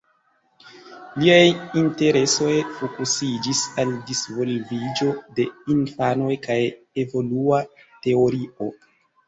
Liaj interesoj fokusiĝis al disvolviĝo de infanoj kaj evolua teorio.